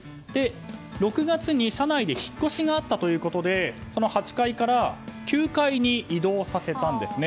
６月に社内で引っ越しがあったということでその８階から９階に移動させたんですね。